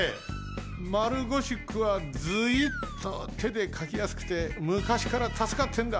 丸ゴシックはずいっとてでかきやすくてむかしからたすかってんだ。